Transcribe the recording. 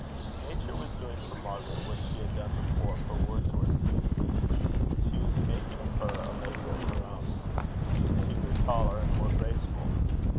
Nature was doing for Margaret what she had done before for Wordsworth's Lucy: she was making of her "a lady of her own." She grew taller and more graceful.